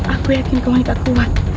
aku yakin kemahiran aku